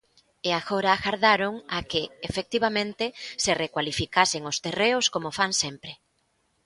E agora agardaron a que, efectivamente, se recualificasen os terreos como fan sempre.